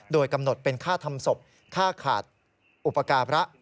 โดยกำหนดเป็นค่าทำศพค่าขาดอุปการะ